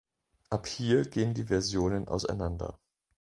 Ab hier gehen die Versionen auseinander.